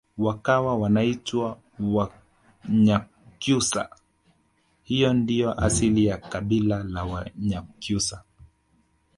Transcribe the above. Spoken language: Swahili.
wakawa wanaitwa wanyakyusa hiyo ndiyo asili ya kabila la wanyakyusa